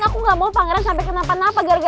aku ga mau pangeran sampe kenapa napa gara gara